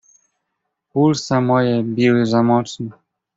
"Pulsa moje biły za mocno."